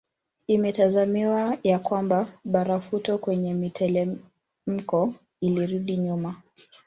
Imetazamiwa ya kwamba barafuto kwenye mitelemko ilirudi nyuma